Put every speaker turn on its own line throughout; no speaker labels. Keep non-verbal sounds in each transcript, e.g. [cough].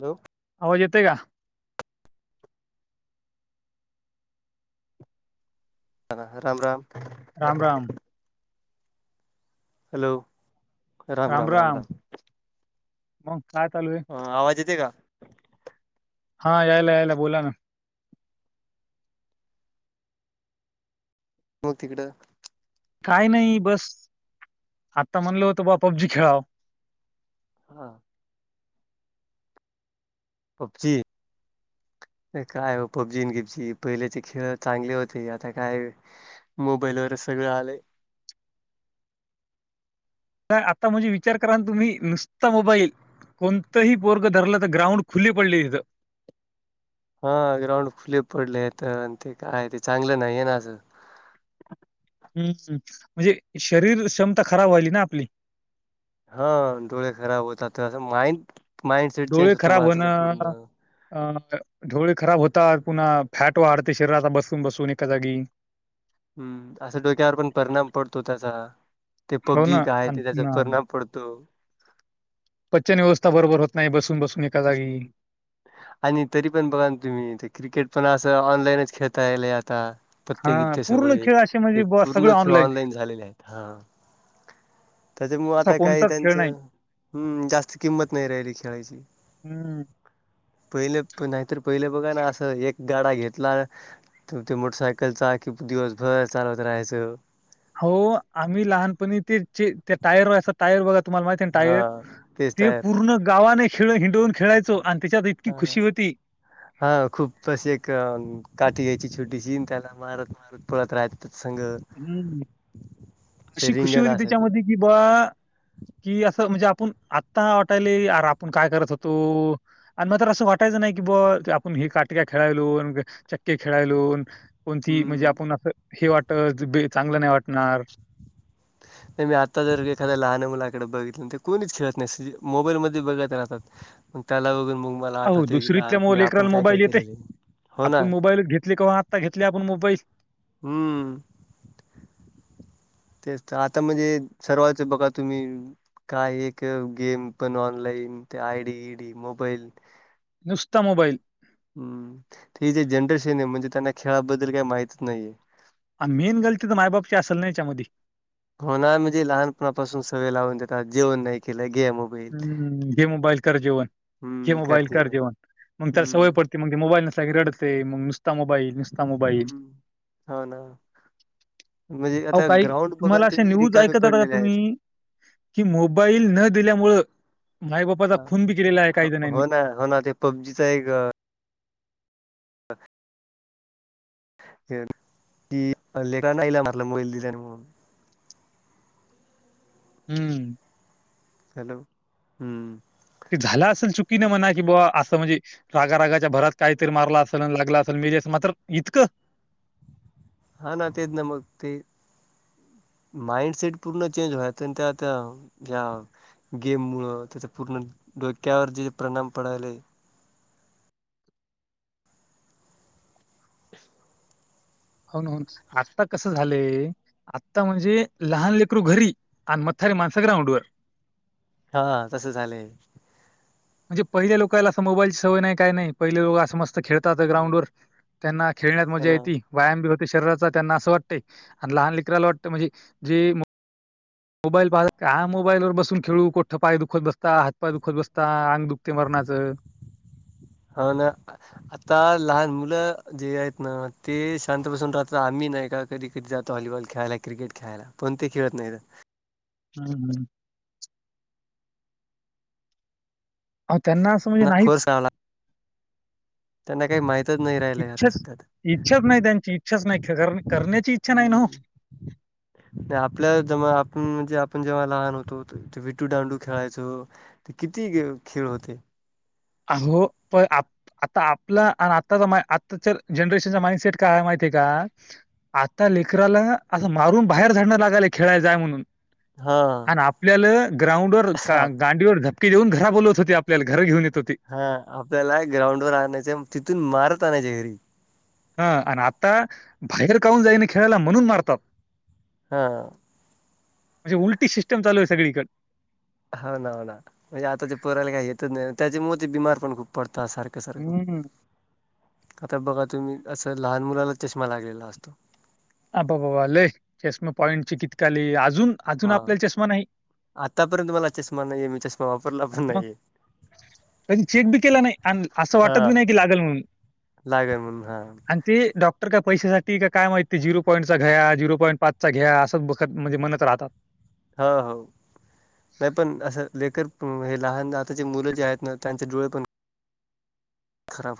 Hello
आवाज येतोय का
हा राम राम
राम राम
हॅलो
राम राम मग काय चालू ये
हा आवाज येते का
हा यायला यायला बोला ना
हो तिकडं
काय नाही बस आता म्हणलं होतं बा पब्जी खेळावं.
हा पब्जी काय ओ पब्जी गिबजी पहिलेचे खेळ चांगले होते आता काय मोबाईल वरच सगळं आलंय
अ आता म्हणजे विचार करा ना तुम्ही नुसता मोबाईल कोणतंही पोरग धरल तर ग्राउंड खुली पडलीये इथं
हा ग्राउंड खुले पडलेयेत आणि ते काय ते चांगलं नाहीये ना असं
हम्म हम्म म्हणजे शरीर क्षमता खराब व्हायली ना आपली
हा डोळे खराब होतात असं माइंड माइंडसेट चेंज
डोळे
होत
खराब
माणसाच
होणं
पूर्ण
अं डोळे खराब होतात पुन्हा फॅट वाढते शरीराला बसून बसून एका जागी
हम्म असा डोक्यावर पण परिणाम पडतो त्याचा ते
हो ना
पब्जी काय
आणि
ते त्याचा
पुन्हा
परिणाम पडतो.
पचन व्यवस्था बरोबर होत नाही बसून बसून एका जागी
हम्म आणि तरी पण बघा ना तुम्ही ते क्रिकेट पण असं ऑनलाईनच खेळता यायलय आता
हा
पत्ते गीत्ते
पूर्ण
सगळे
खेळ असे म्हणजे
ते
बुवा सगळं
पूर्ण खेळ ऑनलाईन झालेले आहेत हा त्याच्यामुळ
असा
आता काही
कोणताच खेळ नाही.
त्यांचं हम्म जास्त किंमत नाही राहिली खेळाची
हम्म
पहिले नाहीतर पहिले बघा ना असं एक गाडा घेतला तर ते मोटरसायकल चाक दिवसभर चालत राहायचं
हो आम्ही लहानपणी ते जे त्या टायर वरच टायर बघा तुम्हाला महित आहे ना
हा
टायर
तेच
ते
टायर
पूर्ण गावाने खेळ हिंडवून खेळायचो आणि त्याच्यात इतकी
हा हा
खुशी होती.
हा खूप अशी एक अ काठी घ्यायची छोटीशी त्याला मारत मारत पळत राहत त्याच्या संग
हम्म
ते
अशी खुशी
रिंगण
होती
असायचं
त्याच्यामधी कि बा कि असं म्हणजे आपुण आत्ता वाटालय यार आपण काय करत होतो आणि मग तर असं वाटायचं नाही की बा आपण ही काठी काय खेळायलो अन् चक्के खेळायलो कोणतीही म्हणजे
हम्म.
आपण असं हे वाटत बे चांगलं नाही वाटणार
नाही मी आत्ता जर एखाद्या लहानं मुलाकडं बघितलं ते कोणीच खेळत नाही सगळी मोबाईल मध्ये बघत राहतात मग त्याला वग मोम
अहो दुसरीतल्या मो लेकरं मोबाईल येते
हो ना
आपण मोबाईल घेतले कवा आत्ता घेतले आपण मोबाईल
हुम्म तेच तर आता म्हणजे सर्वाच बघा तुम्ही काय एक गेम पण ऑनलाईन ते आय डी ईडी मोबाईल
नुसता मोबाईल
हम्म तर ही जे जनरेशन आहे म्हणजे त्यांना खेळाबद्दल काही माहतीच नाही.
आन मेन गलती तर मायबापची आसल ना याच्या मधी
हो ना म्हणजे लहानपणापासुन सवय लावुन देतात जेवण नाही केलं घे मो
हुम्म घे मोबाईल कर जेवण, घे मोबाईल कर जेवण, मग त्याला सवय
हम्म
पड ते मग ते मोबाईल नसला की रडतंय मग नुसता मोबाईल नुस
हम्म हो ना म्हणजे
अहो
आता
काही
ग्राउंड बघा
तुम्हाला
तुम्ही रिकामे पडलेले आहेत.
कि मोबाईल न दिल्यामुळं माई बापाचा खून बी केलेला आहे
ह
काही जणांनी
हो हा हो ना ते पबजीचा एक ह की [unintelligible] नाही ला म्हटला मोबाईल दिला आणि म्हणून
हुम्म
हॅलो, हु
ते झालं आसंल चुकीनं म्हणा की बुआ असं म्हणजे रागा रागाच्या भरात काहीतरी मारलं आसंल आन् लागलं आसंल मेली आसंल मात्र इतकं
हा ना तेज न मग ते माइंडसेट पूर्ण चेंज होय त्या त्या या गेममुळं त्याच पूर्ण डोक्यावर जे परिणाम पडायलय [inaudible]
होन होन आता कसं झालंय आत्ता म्हणजे लहान लेकरू घरी आणि मथारी माणसं ग्राउंड वर
हा तसं झालंय.
म्हणजे पहिल्या लोकालां मोबाईलची सवय नाही का नाही पहिले लोकं अस मस्त खेळतात
हम्म.
ग्राउंड वर त्यांना खेळण्यात
हो
मजा
ना
येती. व्यायाम बी होते शरीराचा त्यांना असं वाटतंय आणि लहान लेकराला वाटत म्हणजे जे मो मोबाईल पाह हा मोबाईल वर बसून खेळू कोठं पाय दुखत बसता हातपाय दुखत बसता अंग दुखते मरणाचं
ह ना आता लहान मुलं जे आहेत ना ते शांत बसून राहतात आम्ही नाही का कधी, कधी जातो वॉलीबॉल खेळायला क्रिकेट खेळायला पण ते खेळत नाही.
हम्म हम हो त्यांना आस
ना फोर्स आला त्यांना काही माहितच नाही राहिलय आता
इच्छाच
सध्यातरी
इच्छाच नाही त्यांची इच्छाच नाही, करण्याची इच्छा नाही न हो.
[inaudible] नाही आपल्याला जमा आपण म्हणजे आपण जेव्हा लहान होतो विटू डांडू खेळायचो. ते किती ग खेळ होते.
अहो पण आप आता आपला आणि आताचा मा आत्ताच्या जनरेशनचा माइंडसेट काय माहितीय आहे का? आता लेकराला असं मारून बाहेर झाडणं लागालय खेळायला जाय म्हणून
हा.
आणि आपल्याला ग्राउंडवर गांडीवर घ [unintelligible] देऊन घरा बोलत होते आपल्या घरी घेऊन येत होते.
हा आपल्याला ग्राउंडवर आणायच तिथून मारत आणायचे घरी.
हा आणि आता बाहेर काऊन जाईन खेळायला म्हणून मारतात.
हां.
म्हणजे उलटी सिस्टीम चालू आहे सगळीकडं.
हा ना, हो ना, म्हणजे आताच्या पोरायला काय येतच नाही त्याचे मोती बीमार पण खूप पडतात सार -खं सारखं,
हं.
आता बघा तुम्ही असं लहान मुलाला चष्मा लागलेला असतो.
अ बा बाबा लय चशमे पॉईंटची कित काली अजून अजून
हा,
आपल्याला चष्मा नाही.
आतापर्यंत मला चष्मा नाहीये मी चष्मा वापरला
आणि
पण
मग
नाहीेय.
कधी चेक बी केला नाही आणि असं वाटत बी
हा.
नाही की लागल म्हणून
लागेल म्हणून हा
अन् ते डॉक्टर का पैशासाठी काय माहिती ते झिरो पॉईंटचा घ्या झिरो पॉईंट पाचचा घ्या असं बघत म्हणजे म्हणत राहतात.
हो हो. नाही पण असं लेकरं हे लहान आता जी मुलं जे आहेत ना त्यांचे डोळे पण खराब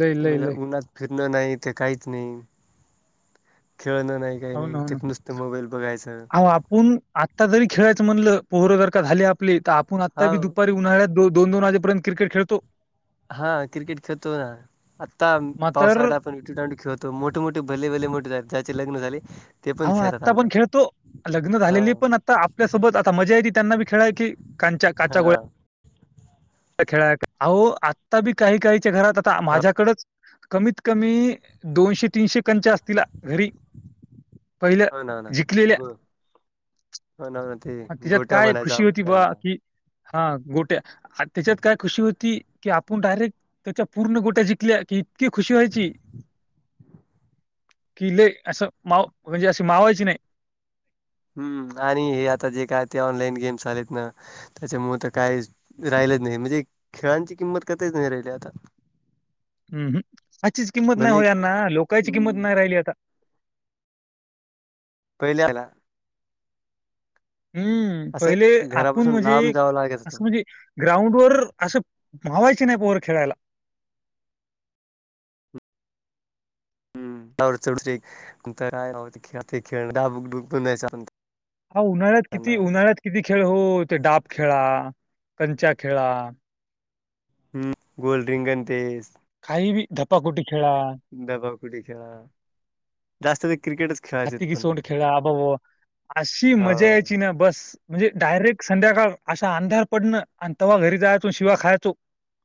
लय, लय,
म्हणजे
लय.
उन्हात फिरणं नाही ते काहीच नाही, खेळणं नाही काही
हो
नाही, ते नुसतं मोबाईल बघायचं.
ऊन आत्ता जरी खेळायचं म्हणलं पोरं जर का झाले आपली, तर आपण आत्ता बी
हो
दुपारी उन्हाळ्यात दोनदोन वाजेपर्यंत क्रिकेट खळतो.
हा क्रिकेट खेळतो ना, आत्ता
मात्र
पावसाळा विटी टांडू खेळतो, मोठे मोठे भले भले मोठेत ज्याचे लग्न झाले ते पण
आहो
खेळतात
आत्ता पण
आमच्यात
खेळतो, लग्न
हा
झालेली पण आता आपल्यासोबत आता मजा येत त्यांना बी खेळाय की कांच्या, काचा
हा
गोळ्या खेळाय, अहो आत्ता बी काही काहीच्या घरात आता
हो
माझ्याकडचं कमीत कमी दोनशे तीनशे कंच असतीला घरी. पहिलं
हो ना हो ना
जीकलेल्या.
गो हो ना. ते
त्याच्यात
गोट्या
काय
म्हणायचो
खुशी
आपण
होती बा
त्यांना
की हा गोट्या त्याच्यात काय खुशी होती की, आपण डायरेक्ट त्याच्या पूर्ण गोट्या जिंकल्या कि इतकी खुशी व्हायची
[inaudible]
की, लय असं माव म्हणजे अशी मावायची नाही.
हम्म आणि हे आता जे काय ते ऑनलाईन गेम्स आलेत ना त्याच्यामुळे तर काहीच राहिलंच नाही म्हणजे खेळांची किंमत [unintelligible] नाही राहिली आता. [inaudible]
अहम्, आजचीच किंमत नाही
भले
हो यांना लोकांची किंमत
हम्म.
नाही राहिली आता.
पहिल्या आला.
हम्म. पहिले
असं
आपूण
घरापासून
म्हणजे,
लांब जावा लागत
असं
होतो.
म्हणजी ग्राउंडवर असं मावायची नाही पोरं खेळायला.
[unintelligible]
अहो उन्हाळ्यात
त्यांना
किती उन्हाळ्यात किती खेळ हो, ते डाब खेळा, कंचा खेळा.
हम, गोल रिंगण तेस.
काही बी धपाकुटी खेळा.
दबा कुटी खेळा. जास्त ते क्रिकेटच खेळायचे
हत्ती की
पण
सोंड खेळा अबब, अशी मजा
हो.
यायची ना बस. म्हणजे डायरेक्ट संध्याकाळ अशा अंधार पडणं आणि तव्हा घरी जायचो शिव्या खायचो.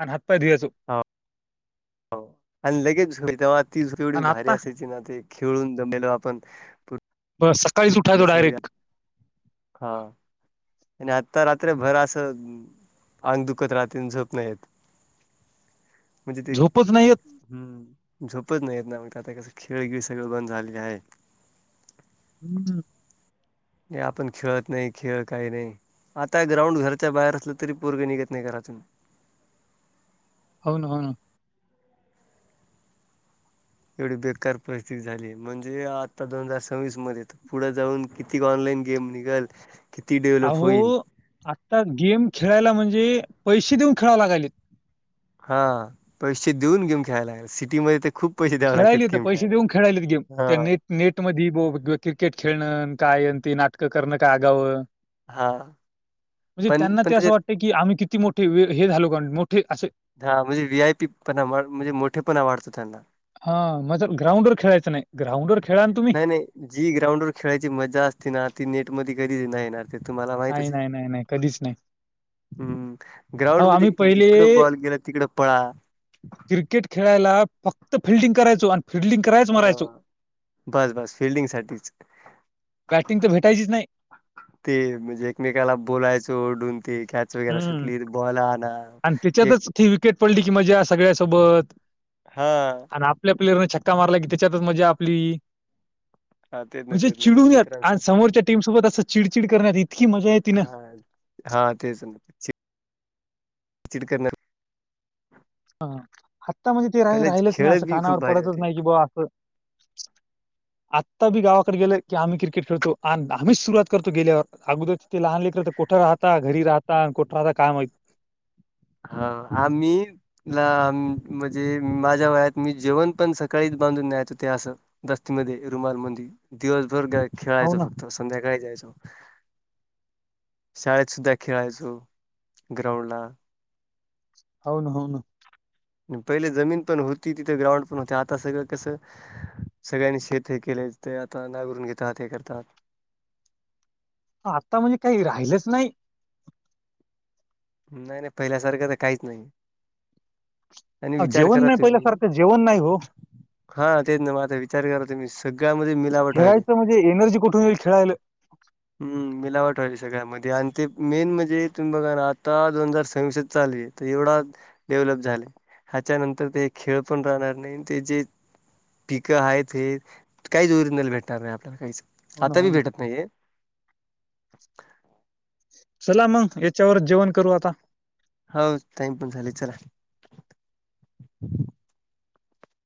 अन हातपाय धुयाचो.
होव आणि लगेच तेव्हा ती झोप एवढी
आणि
भारी
आता
असायची ना ते खेळून दमलेलो आपण.
बस सकाळी उठायचो
पूर्ण
डायरेक्ट.
शरीरात हा आणि आत्ता रात्र भर अस, आंग दुखत राहतं अन झोप नाहीे येत. म्हणजे ते
झोपच नाही येत.
हम् झोपत नाहीेत ना. म्हणजे आता कसं खेळगिळ सगळं बंद झालेले हाय.
हम्म हम
हे आपण खेळत नाही खेळ काही नाही. आता ग्राउंड घरच्या बाहेर असलं तरी पोरग निघत नाही घरातून.
हो ना होना.
एवढी बेकार परिस्थिती झालीय, म्हणजे आता दोन हजार सव्वीस मध्ये तर पुढ जाऊन कितीक ऑनलाईन गेम निघलं.
अहो, आता गेम खेळायला म्हणजे पैसे देऊन खेळाव लागालेत.
हा पैसे देऊन गेम खेळाय लागले सिटी मध्ये तर खूप पैसे द्यावे लागतात
खेळायलीत,
गेम
पैसे
खेळायला.
देऊन खेळायलेत गेम.
हा
त्यांनी नेट मध्ये बो ग क्रिकेट खेळणं अन काय तेन नाटकं करणं, काय आगावं.
हा
म्हणजे
पण
त्यांना
पण
ते
त्याच्यात
असं वाटत की आम्ही किती मोठे हे झालो काण मोठे असे.
हा म्हणजे वी आय पी पणा म्हणजे मोठे पणा वाटतो त्यांना.
हा मजर ग्रांउड वर खेळायचं नाही. ग्राउंडवर खेळा ना तुम्ही.
नाही नाही जी ग्राउंड वर खेळायची मजा असते ना, ती नेट मध्ये कधीच नाही येणार. ते तुम्हाला
नाही,
माहितचये.
नाही, नाही, नाही. कधीच नाही.
हम्म ग्राउंड
अहो,
मधी
आम्ही पहिले
जिकडं बॉल गेला तिकडं पळा.
क्रिकेट खेळायला फक्त फिल्डिंग करायचो आणि फिल्डिंग करायच मरायचो.
अ बस बस फिल्डिंग साठीच.
बॅटिंग तर भेटायचीच नाय.
ते म्हणजे एकमेकाला बोलायचो ओरढून ते कॅच वगैरे
हं.
सुटली बॉला आना.
आणि त्याच्यातच ती विकेट पडली की मजा सगळ्यासोबत.
हा
आणि आप आपल्या प्लेयरन छक्का मारला की त्याच्यातच मजा आपली.
हा तेच ना
म्हणजे
तेच ना मग
चिडून्यात आणि
मित्रांसोबत
समोरच्या टीमसोबत असं चिडचिड करण्यात इतकी मजा येती ना.
हा. हा तेच न ची चिडकरणार
ह आत्तामध्ये ते राही
कॉलेज
राहिलच नाही.
खेळ
असं
बी खूप
कानावर
भारी
पडतच
होते.
नाही की बा असं
[inaudible]
आत्ता बी गावाकडे गेलय की आम्ही क्रिकेट खेळतो. आणि आम्हीच सुरवात करतो गेल्यावर अगोदर. ते लहान ललेकर तर कूठं राहता घरी राहता आणि कूठं राहता काम माहीत.
हाव आम्ही ला म्हणजे माझ्या वयात मी जेवण पण सकाळीच बांधून न्याेयचो ते असं. दस्तीमध्ये रुमाल मंदी दिवसभर गा
हो
खेळायचो
ना
फक्त संध्याकाळी यायचो. शाळेत सुद्धा खेळायचो ग्राउंड ला.
हो न हो न.
पहिले जमीन पण होती तिथे ग्राउंड पण होते आता सगळं कसं. सगळ्यांनी शेत हे केले ते आता नागरून घेतात हे करतात.
आता म्हणजे काही राहिलंच नाही.
नाही नाही पहिल्यासारख तर काहीच नाही. आणि
आव
विचार
जेवण
करा
नाही पहिलं
तुम्ही
सर ते जेवण नाही हो.
हा तेच ना माता विचार करा तुम्ही सगळ्यामध्ये मिलावट हाईत.
खेळायचं म्हणजे एनर्जी कुठून येईल खेळायला
हम् मिलावट हाय सगळ्यामध्ये आणि ते मेन म्हणजे तुम्ही बघा राह. आता दोन हजार सव्वीस चालली तर एवढा डेव्हलप झाला. ह्याच्यानंतर ते खेळ पण राहणार नाही ते जे. पिकं आहेत हे काहीच ओरिजनल भेटणार नाही आपल्याला काहीच.
हो ना
आता
हो
बी
ना,
भेटत नाहीये
चला मग याच्यावरच जेवण करू आता.
हो टाइम पण झाले चला.